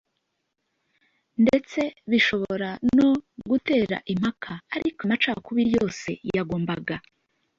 ndetse bishobora no gutera impaka, ariko amacakubiri yose yagombaga